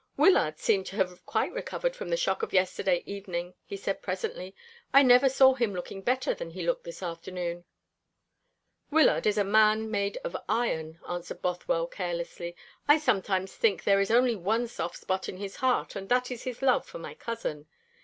"Wyllard seemed to have quite recovered from the shock of yesterday evening," he said presently. "I never saw him looking better than he looked this afternoon." "Wyllard is a man made of iron," answered Bothwell carelessly. "I sometimes think there is only one soft spot in his heart, and that is his love for my cousin.